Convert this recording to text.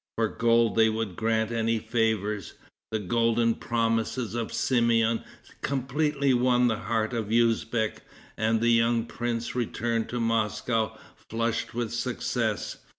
For gold they would grant any favors. The golden promises of Simeon completely won the heart of Usbeck, and the young prince returned to Moscow flushed with success.